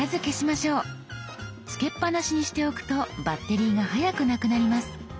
つけっぱなしにしておくとバッテリーが早くなくなります。